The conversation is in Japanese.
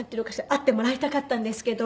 会ってもらいたかったんですけど。